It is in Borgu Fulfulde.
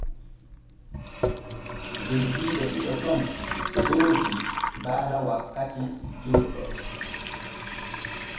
Beldiiɓe ɗiɗo gom soodii baala wakkati julɗe.